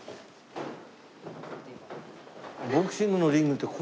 ボクシングのリングってこうなんだ。